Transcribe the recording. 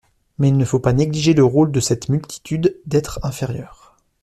Mais il ne faut pas négliger le rôle de cette multitude d’êtres inférieurs.